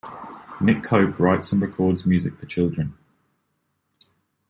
Nick Cope writes and records music for children.